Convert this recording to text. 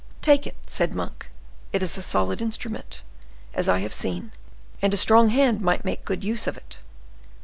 "Take it," said Monk; "it is a solid instrument, as I have seen, and a strong hand might make good use of it."